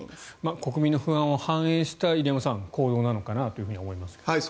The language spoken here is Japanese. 国民の不安を反映した行動なのかなと思いますが。